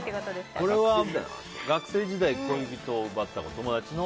これは、学生時代恋人を奪ったか友達の。